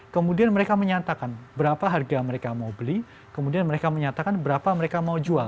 kemudian mereka menyatakan berapa harga mereka mau beli kemudian mereka menyatakan berapa mereka mau jual